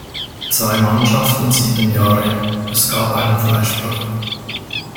Zwei Mannschaften sieben Jahre; es gab einen Freispruch.